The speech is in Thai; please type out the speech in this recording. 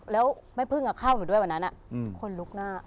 แล้วแม่พึ่งเข้าหนูด้วยวันนั้นคนลุกหน้า